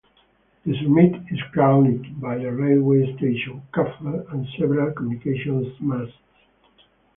The summit is crowned by a railway station, cafe and several communications masts.